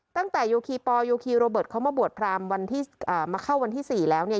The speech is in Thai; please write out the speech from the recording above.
ตั้งแต่โยคีปอยโยคีโรเบิร์ตเข้ามาบวชพรามวันที่อ่ามาเข้าวันที่สี่แล้วเนี่ย